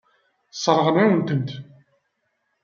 Sseṛɣen-awen-ten.